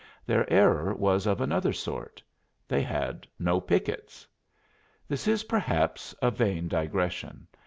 Their error was of another sort: they had no pickets. This is perhaps a vain digression.